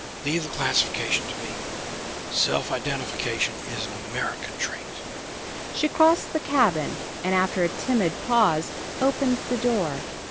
Leave the classification to me. Self identification is an American trait!" She crossed the cabin, and after a timid pause opened the door.